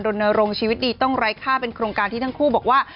รณรงค์ชีวิตดีต้องไร้ค่าเป็นโครงการที่ทั้งคู่บอกว่า